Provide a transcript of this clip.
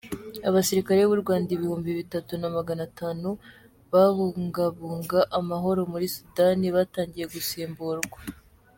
Abasirikare b’u Rwanda ibihumbi bitatu namaganatanu babungabunga amahoro muri Sudani batangiye gusimburwa